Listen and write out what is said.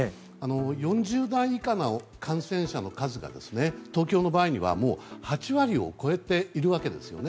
４０代以下の感染者の数が東京の場合にはもう８割を超えているわけですよね。